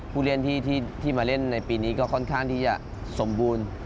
ผู้เล่นที่มาเล่นในปีนี้ก็ค่อนข้างที่จะสมบูรณ์